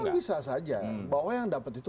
itu bisa saja bahwa yang dapat itu